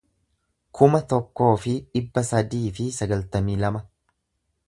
kuma tokkoo fi dhibba sadii fi sagaltamii lama